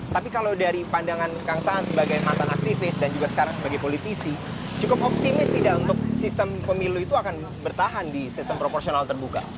tapi kalau dari pandangan kang saan sebagai mantan aktivis dan juga sekarang sebagai politisi cukup optimis tidak untuk sistem pemilu itu akan bertahan di sistem proporsional terbuka